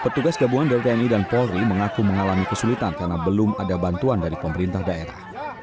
petugas gabungan dari tni dan polri mengaku mengalami kesulitan karena belum ada bantuan dari pemerintah daerah